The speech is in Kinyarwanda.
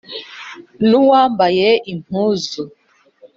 n’uwambaye impuzu